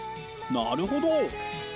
なるほど！